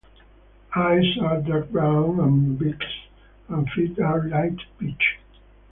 Eyes are dark brown and beaks and feet are light peach.